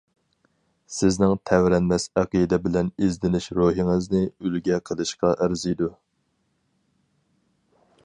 سىزنىڭ تەۋرەنمەس ئەقىدە بىلەن ئىزدىنىش روھىڭىزنى ئۈلگە قىلىشقا ئەرزىيدۇ.